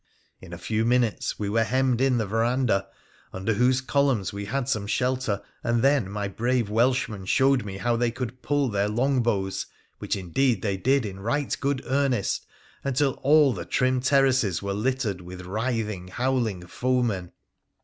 In a few minutes we were hemmed in the verandah, under whose columns wc had Borne shelter, and then my brave Welshmen showed me how they could pull their long bows, which indeed they did in right good earnest, until all the trim terraces were littered with writhing howling foemen.